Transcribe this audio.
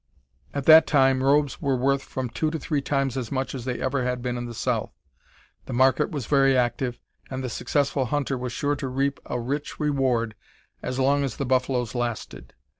At that time robes were worth from two to three times as much as they ever had been in the south, the market was very active, and the successful hunter was sure to reap a rich reward as long as the buffaloes lasted.